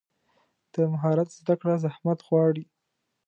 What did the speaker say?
د مهارت زده کړه زحمت غواړي.